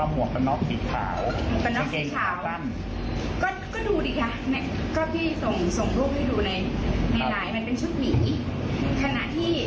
มันเป็นเสื้อออกประมาณสีดำ